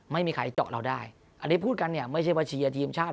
ไม่มีใครเจาะเราได้อันนี้พูดกันเนี่ยไม่ใช่ว่าเชียร์ทีมชาติ